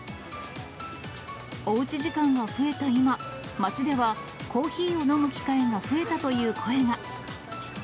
おうち時間が増えた今、街ではコーヒーを飲む機会が増えたという声が。